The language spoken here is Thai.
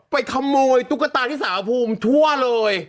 ไปขโมยตุ๊กตาที่สาวภูมิทั่วเลย